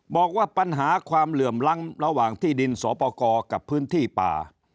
บอกว่าปัญหาความเหลื่อมล้ำระหว่างที่ดินสอปกรกับพื้นที่ป่า